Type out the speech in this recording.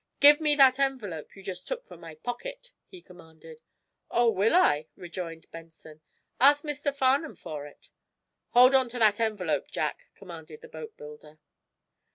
"Give me that envelope you just took from my pocket," he commanded. "Oh, will I?" rejoined Benson. "Ask Mr. Farnum for it." "Hold onto that envelope, Jack," commanded the boatbuilder.